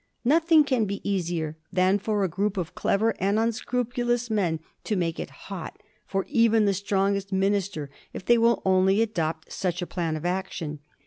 Nothing can be easier than for a group of clever and unscrupulous men to make it hot for even the strongest minister if they will only adopt such a plan of action.